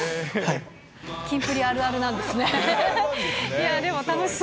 キンプリあるあるなんですね。